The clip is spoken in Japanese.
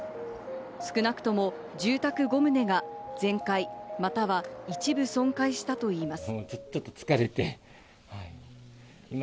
少なくとも住宅５棟が全壊、または一部損壊したといいます。